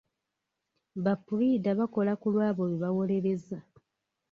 Ba puliida bakola ku lwabo be bawolereza.